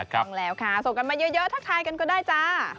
ต้องแล้วค่ะส่งกันมาเยอะทักทายกันก็ได้จ้า